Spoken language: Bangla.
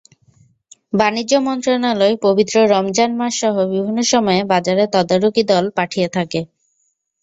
বাণিজ্য মন্ত্রণালয় পবিত্র রমজান মাসসহ বিভিন্ন সময়ে বাজারে তদারকি দল পাঠিয়ে থাকে।